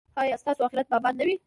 ایا ستاسو اخرت به اباد نه وي؟